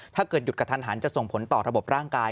ถ้าเกิดหยุดกระทันหันจะส่งผลต่อระบบร่างกาย